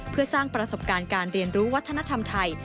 เพื่อสร้างประสบการณ์การเรียนรู้วัฒนธรรมไทย